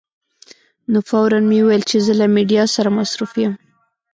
نو فوراً مې وویل چې زه له میډیا سره مصروف یم.